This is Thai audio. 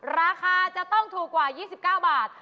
ราคาจะต้องถูกกว่า๒๙บาท